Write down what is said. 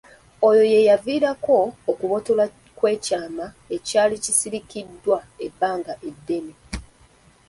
Oyo ye yaviirako okubotolwa kw’ekyama ekyali kisirikiddwa ebbanga eddene.